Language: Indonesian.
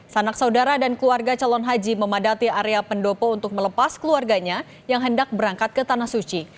sanak saudara dan keluarga calon haji memadati area pendopo untuk melepas keluarganya yang hendak berangkat ke tanah suci